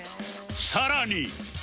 さらに